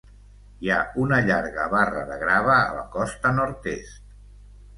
Hi ha una llarga barra de grava a la costa nord-est.